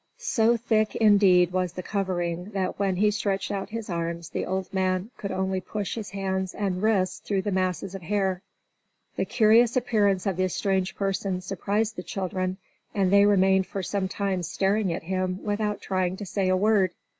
So thick, indeed, was the covering that when he stretched out his arms, the old man could only push his hands and wrists through the masses of hair. The curious appearance of this strange person surprised the children, and they remained for some time staring at him without trying to say a word.